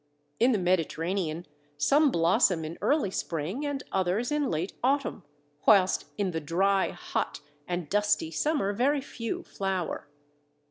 In the Mediterranean some blossom in early spring and others in late autumn, whilst in the dry, hot, and dusty summer very few flower.